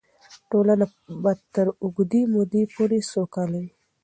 ټولنه به تر اوږدې مودې پورې سوکاله وي.